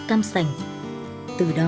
cam sành từ đó